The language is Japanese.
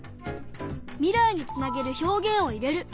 未来につなげる表現を入れる。